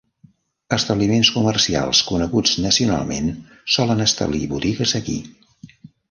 Establiments comercials coneguts nacionalment solen establir botigues aquí.